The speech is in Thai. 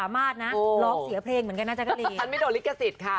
มันไม่โดนริกษิตค่ะ